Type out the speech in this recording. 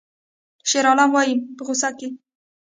شیرعالم وایی په غوسه کې